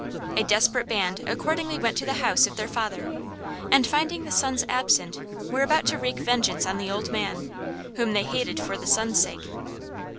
A desperate band accordingly went to the house of their father, and finding the sons absent, were about to wreak vengeance on the old man, whom they hated for the sons' sake.